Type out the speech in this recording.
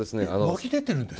湧き出てるんですか？